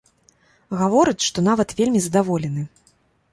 Гаворыць, што нават вельмі задаволены.